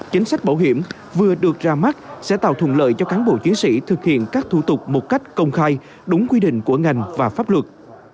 chính sách bảo hiểm vừa được ra mắt sẽ tạo thuận lợi cho cán bộ chiến sĩ thực hiện các thủ tục một cách công khai đúng quy định của ngành và pháp luật